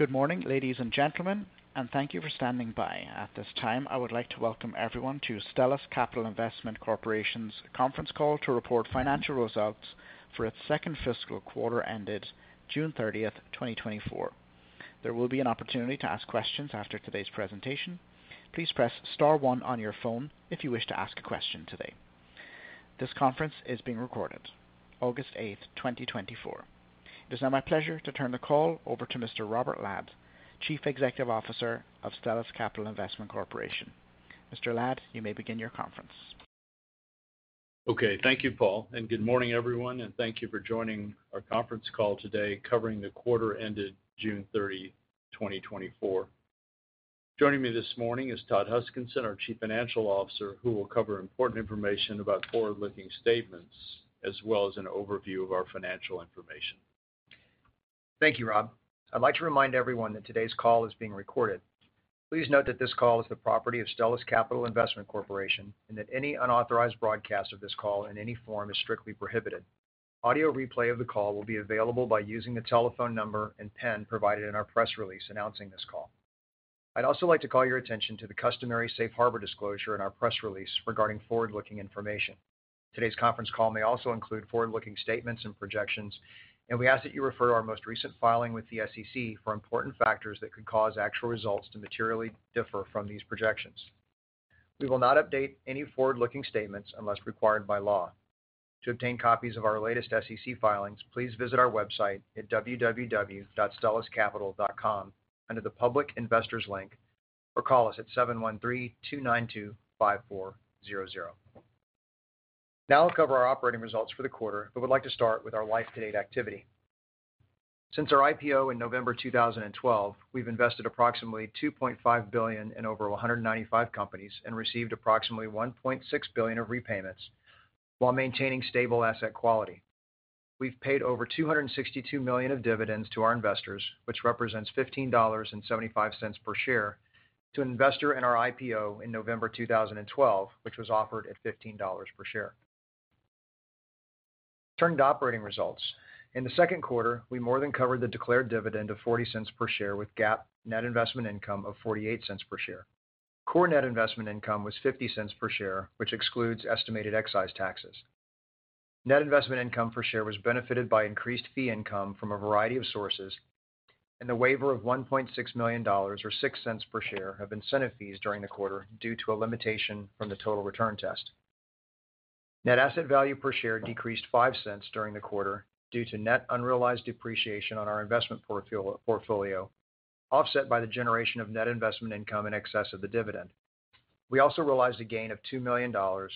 Good morning, ladies and gentlemen, and thank you for standing by. At this time, I would like to welcome everyone to Stellus Capital Investment Corporation's conference call to report financial results for its second fiscal quarter ended June 30th, 2024. There will be an opportunity to ask questions after today's presentation. Please press star one on your phone if you wish to ask a question today. This conference is being recorded August 8th, 2024. It is now my pleasure to turn the call over to Mr. Robert Ladd, Chief Executive Officer of Stellus Capital Investment Corporation. Mr. Ladd, you may begin your conference. Okay. Thank you, Paul, and good morning everyone, and thank you for joining our conference call today covering the quarter ended June 30, 2024. Joining me this morning is Todd Huskinson, our Chief Financial Officer, who will cover important information about forward-looking statements as well as an overview of our financial information. Thank you, Rob. I'd like to remind everyone that today's call is being recorded. Please note that this call is the property of Stellus Capital Investment Corporation, and that any unauthorized broadcast of this call in any form is strictly prohibited. Audio replay of the call will be available by using the telephone number and PIN provided in our press release announcing this call. I'd also like to call your attention to the customary safe harbor disclosure in our press release regarding forward-looking information. Today's conference call may also include forward-looking statements and projections, and we ask that you refer to our most recent filing with the SEC for important factors that could cause actual results to materially differ from these projections. We will not update any forward-looking statements unless required by law. To obtain copies of our latest SEC filings, please visit our website at www.stelluscapital.com under the Public Investors link, or call us at 713-292-5400. Now I'll cover our operating results for the quarter, but would like to start with our life-to-date activity. Since our IPO in November 2012, we've invested approximately $2.5 billion in over 195 companies and received approximately $1.6 billion of repayments, while maintaining stable asset quality. We've paid over $262 million of dividends to our investors, which represents $15.75 per share to an investor in our IPO in November 2012, which was offered at $15 per share. Turning to operating results. In the second quarter, we more than covered the declared dividend of $0.40 per share, with GAAP net investment income of $0.48 per share. Core net investment income was $0.50 per share, which excludes estimated excise taxes. Net investment income per share was benefited by increased fee income from a variety of sources and the waiver of $1.6 million, or $0.06 per share, of incentive fees during the quarter due to a limitation from the total return test. Net asset value per share decreased $0.05 during the quarter due to net unrealized depreciation on our investment portfolio, offset by the generation of net investment income in excess of the dividend. We also realized a gain of $2 million, or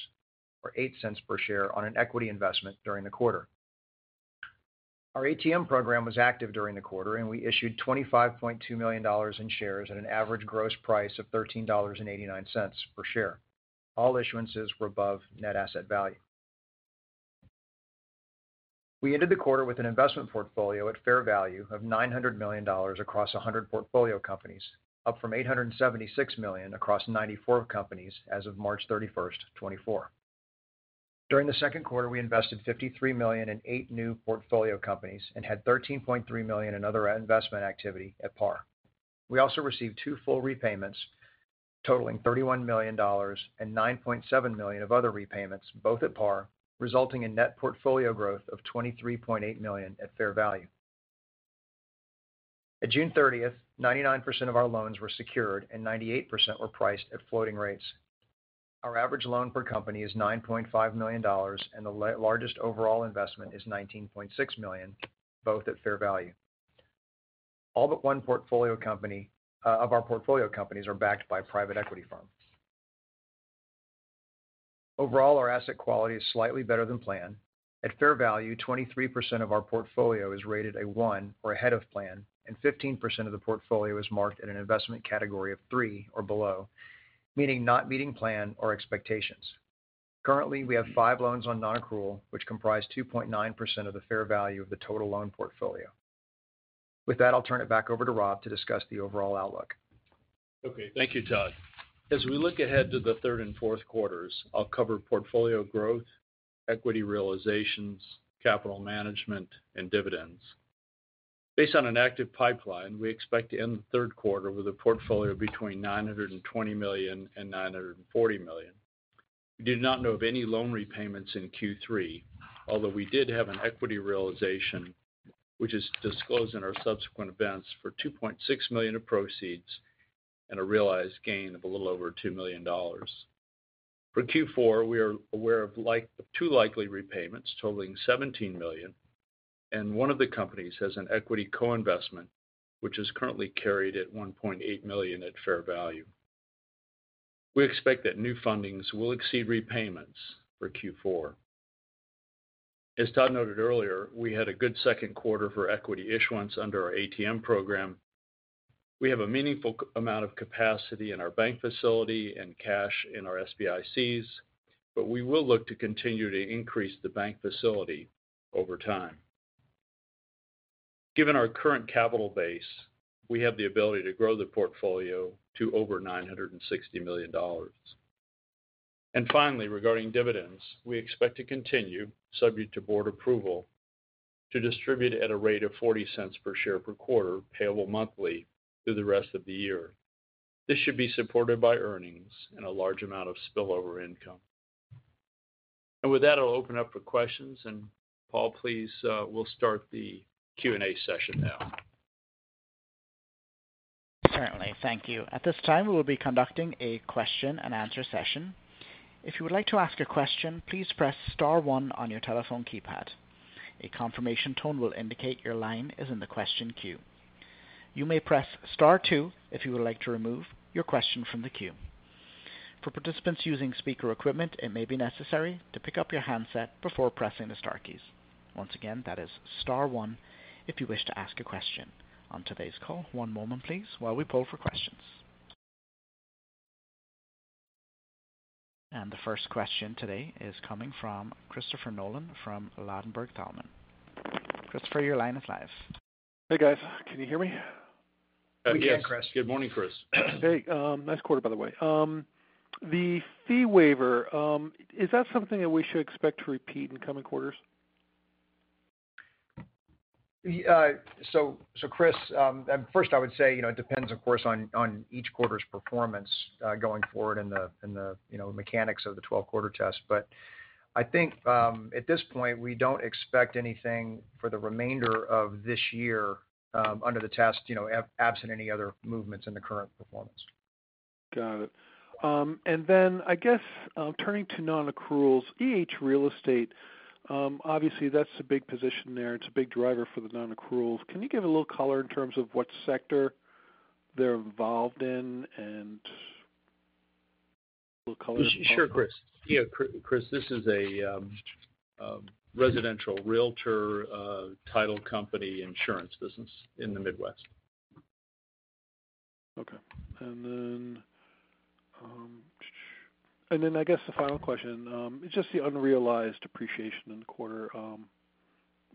$0.08 per share, on an equity investment during the quarter. Our ATM program was active during the quarter, and we issued $25.2 million in shares at an average gross price of $13.89 per share. All issuances were above net asset value. We ended the quarter with an investment portfolio at fair value of $900 million across 100 portfolio companies, up from $876 million across 94 companies as of March 31st, 2024. During the second quarter, we invested $53 million in eight new portfolio companies and had $13.3 million in other investment activity at par. We also received two full repayments totaling $31 million and $9.7 million of other repayments, both at par, resulting in net portfolio growth of $23.8 million at fair value. At June 30th, 99% of our loans were secured and 98% were priced at floating rates. Our average loan per company is $9.5 million, and the largest overall investment is $19.6 million, both at fair value. All but one portfolio company of our portfolio companies are backed by a private equity firm. Overall, our asset quality is slightly better than planned. At fair value, 23% of our portfolio is rated a 1 or ahead of plan, and 15% of the portfolio is marked at an investment category of 3 or below, meaning not meeting plan or expectations. Currently, we have five loans on non-accrual, which comprise 2.9% of the fair value of the total loan portfolio. With that, I'll turn it back over to Rob to discuss the overall outlook. Okay. Thank you, Todd. As we look ahead to the third and fourth quarters, I'll cover portfolio growth, equity realizations, capital management, and dividends. Based on an active pipeline, we expect to end the third quarter with a portfolio of between $900 million and $940 million. We do not know of any loan repayments in Q3, although we did have an equity realization, which is disclosed in our subsequent events for $2.6 million of proceeds and a realized gain of a little over $2 million. For Q4, we are aware of two likely repayments totaling $17 million, and one of the companies has an equity co-investment, which is currently carried at $1.8 million at fair value. We expect that new fundings will exceed repayments for Q4. As Todd noted earlier, we had a good second quarter for equity issuance under our ATM program. We have a meaningful amount of capacity in our bank facility and cash in our SBICs, but we will look to continue to increase the bank facility over time. Given our current capital base, we have the ability to grow the portfolio to over $960 million. Finally, regarding dividends, we expect to continue, subject to board approval, to distribute at a rate of $0.40 per share per quarter, payable monthly through the rest of the year. This should be supported by earnings and a large amount of spillover income. With that, I'll open up for questions. Paul, please, we'll start the Q&A session now. Certainly. Thank you. At this time, we will be conducting a question and answer session. If you would like to ask a question, please press star one on your telephone keypad. A confirmation tone will indicate your line is in the question queue. You may press star two if you would like to remove your question from the queue. For participants using speaker equipment, it may be necessary to pick up your handset before pressing the star keys. Once again, that is star one if you wish to ask a question on today's call. One moment, please, while we poll for questions. The first question today is coming from Christopher Nolan from Ladenburg Thalmann. Christopher, your line is live. Hey, guys. Can you hear me? We can, Chris. Yes. Good morning, Chris. Hey, nice quarter, by the way. The fee waiver, is that something that we should expect to repeat in coming quarters? So, Chris, and first I would say, you know, it depends, of course, on each quarter's performance going forward and the, you know, mechanics of the 12-quarter test. But I think, at this point, we don't expect anything for the remainder of this year under the test, you know, absent any other movements in the current performance. Got it. And then I guess, turning to non-accruals, EH Real Estate, obviously that's a big position there. It's a big driver for the non-accruals. Can you give a little color in terms of what sector they're involved in and a little color? Sure, Chris. Yeah, Chris, this is a residential Realtor, title company, insurance business in the Midwest. Okay. And then I guess the final question, just the unrealized appreciation in the quarter,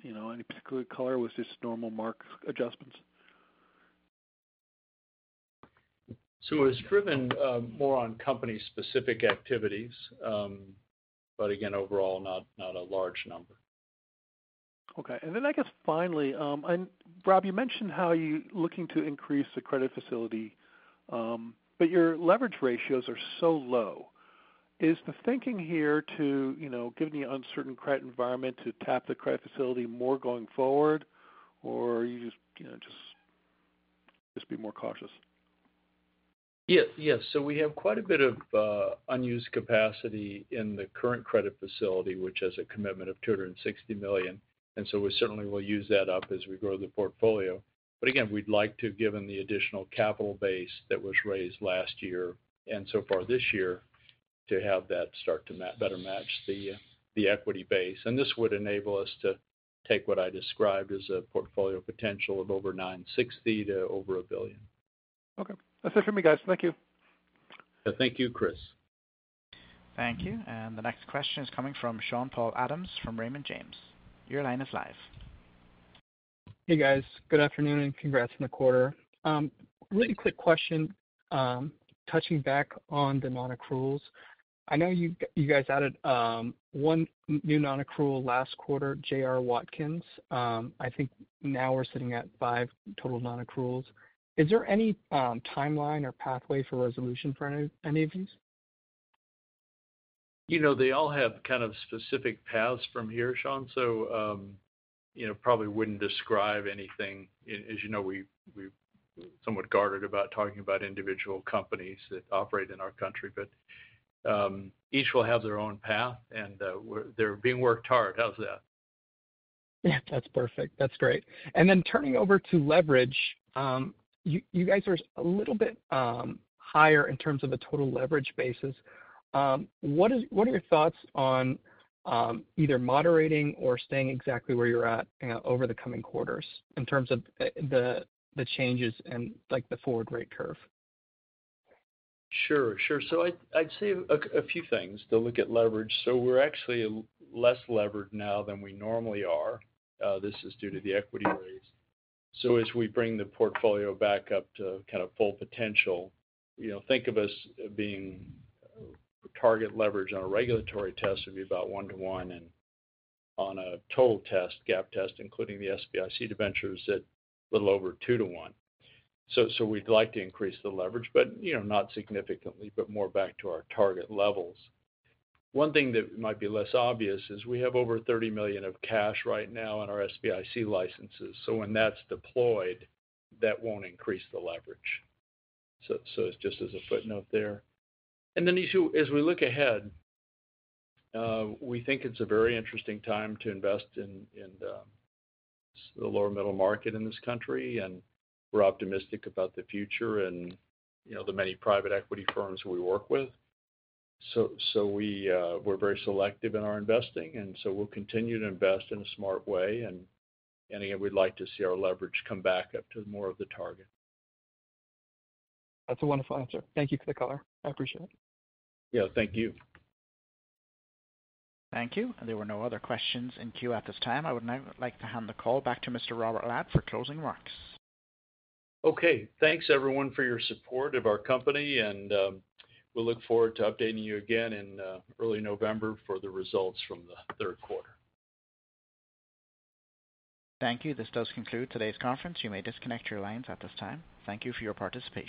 you know, any particular color, or was this normal mark adjustments? So it's driven more on company-specific activities, but again, overall, not a large number. Okay. And then I guess finally, and Rob, you mentioned how you're looking to increase the credit facility, but your leverage ratios are so low. Is the thinking here to, you know, given the uncertain credit environment, to tap the credit facility more going forward, or are you just, you know, be more cautious? Yes. Yes. So we have quite a bit of unused capacity in the current credit facility, which has a commitment of $260 million, and so we certainly will use that up as we grow the portfolio. But again, we'd like to, given the additional capital base that was raised last year and so far this year, to have that start to better match the the equity base. And this would enable us to take what I described as a portfolio potential of over $960 million to over $1 billion. Okay. That's it for me, guys. Thank you. Thank you, Chris. Thank you. The next question is coming from Sean-Paul Adams from Raymond James. Your line is live. Hey, guys. Good afternoon, and congrats on the quarter. Really quick question, touching back on the non-accruals. I know you guys added one new non-accrual last quarter, J.R. Watkins. I think now we're sitting at five total non-accruals. Is there any timeline or pathway for resolution for any of these? You know, they all have kind of specific paths from here, Sean, so, you know, probably wouldn't describe anything. As you know, we're somewhat guarded about talking about individual companies that operate in our country, but, each will have their own path, and, they're being worked hard. How's that? Yeah, that's perfect. That's great. And then turning over to leverage, you, you guys are a little bit higher in terms of the total leverage basis. What is—what are your thoughts on either moderating or staying exactly where you're at over the coming quarters in terms of the changes and, like, the forward rate curve? Sure, sure. So I'd say a few things to look at leverage. So we're actually less levered now than we normally are. This is due to the equity raise. So as we bring the portfolio back up to kind of full potential, you know, think of us being target leverage on a regulatory test would be about 1 to 1, and on a total test, GAAP test, including the SBIC debentures, at a little over 2 to 1. So we'd like to increase the leverage, but, you know, not significantly, but more back to our target levels. One thing that might be less obvious is we have over $30 million of cash right now in our SBIC licenses. So when that's deployed, that won't increase the leverage. So it's just as a footnote there. And then as we look ahead, we think it's a very interesting time to invest in the lower middle market in this country, and we're optimistic about the future and, you know, the many private equity firms we work with. So we're very selective in our investing, and so we'll continue to invest in a smart way. And again, we'd like to see our leverage come back up to more of the target. That's a wonderful answer. Thank you for the color. I appreciate it. Yeah, thank you. Thank you. There were no other questions in queue at this time. I would now like to hand the call back to Mr. Robert Ladd for closing remarks. Okay. Thanks, everyone, for your support of our company, and we'll look forward to updating you again in early November for the results from the third quarter. Thank you. This does conclude today's conference. You may disconnect your lines at this time. Thank you for your participation.